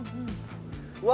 うわ。